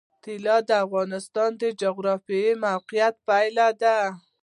طلا د افغانستان د جغرافیایي موقیعت پایله ده.